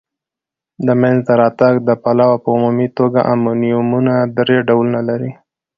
د مینځ ته راتګ د پلوه په عمومي توګه امونیمونه درې ډولونه لري.